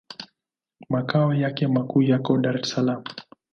Makao yake makuu yako Dar es Salaam.